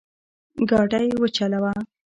ګاډی وچلوه